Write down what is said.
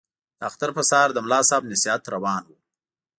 د اختر په سهار د ملا صاحب نصیحت روان وو.